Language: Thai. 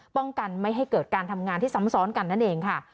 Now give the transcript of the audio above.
ป้องกันไม่ให้เกิดการทำงานที่ซ้ำซ้อนกันนั่นเองค่ะ